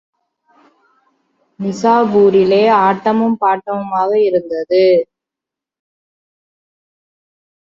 நிசாப்பூரிலே, ஆட்டமும் பாட்டுமாக இருந்தது.